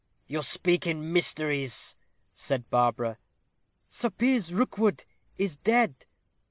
"You speak in mysteries," said Barbara. "Sir Piers Rookwood is dead."